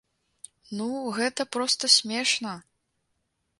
Ну, гэта проста смешна!